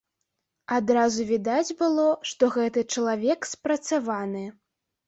Адразу відаць было, што гэты чалавек спрацаваны.